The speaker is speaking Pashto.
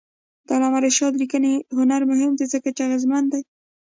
د علامه رشاد لیکنی هنر مهم دی ځکه چې اغېزمن دی.